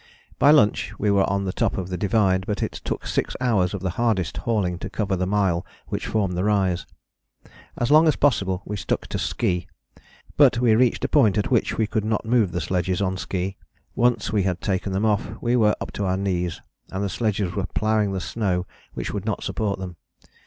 By lunch we were on the top of the divide, but it took six hours of the hardest hauling to cover the mile which formed the rise. As long as possible we stuck to ski, but we reached a point at which we could not move the sledges on ski: once we had taken them off we were up to our knees, and the sledges were ploughing the snow which would not support them.